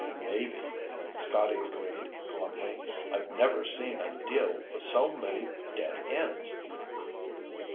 "Maybe," Scotty agreed glumly. "I've never seen a deal with so many dead ends."